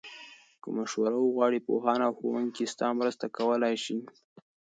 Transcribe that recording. که مشوره وغواړې، پوهان او ښوونکي ستا مرسته کولای شي.